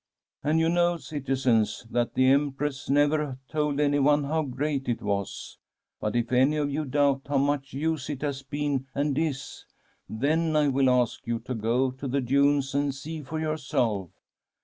And you know, citizens, that the Empress never told anyone how great it was. But if any of you doubt how much use it has been and is, then I will ask you to go to the dunes and see for yourself.